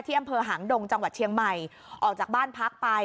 อำเภอหางดงจังหวัดเชียงใหม่ออกจากบ้านพักไป